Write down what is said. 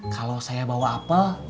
kalau saya bawa apel